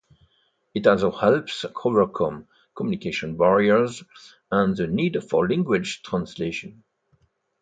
It also helps overcome communication barriers and the need for language translation.